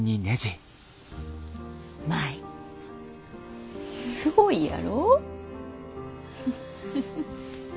舞すごいやろ？